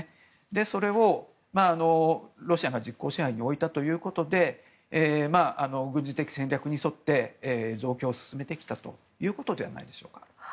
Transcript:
それをロシアが実効支配に置いたということで軍事的戦略に沿って増強を進めてきたということではないでしょうか。